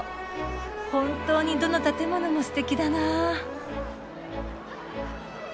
本当にどの建物もすてきだな。